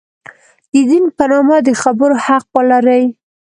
د دین په نامه د خبرو حق ولري.